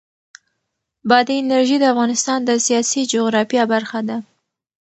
بادي انرژي د افغانستان د سیاسي جغرافیه برخه ده.